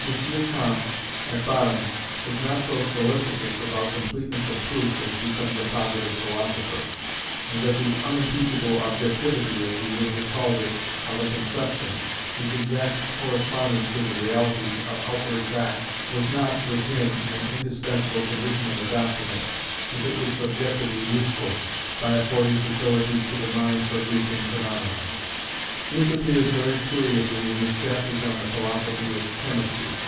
Comte, at bottom, was not so solicitous about completeness of proof as becomes a positive philosopher, and that the unimpeachable objectivity, as he would have called it, of a conception its exact correspondence to the realities of outward fact was not, with him, an indispensable condition of adopting it, if it was subjectively useful, by affording facilities to the mind for grouping phaenomena. This appears very curiously in his chapters on the philosophy of Chemistry.